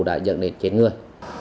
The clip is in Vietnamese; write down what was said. đã dẫn đến chết người